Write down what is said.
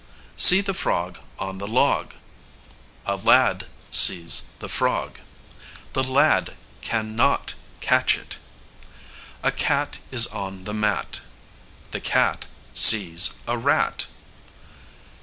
See the frog on the log. A lad sees the frog. The lad can not catch it. A cat is on the mat; the cat sees a rat.